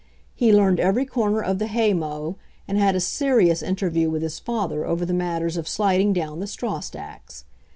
He learned every corner of the hay mow, and had a serious inter view with his father over the matter of sliding down the straw stacks.